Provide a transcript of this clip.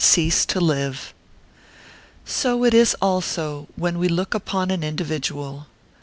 303 cease to live. So it is also, when we look upon an individual.